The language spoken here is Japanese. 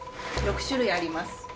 ６種類あります。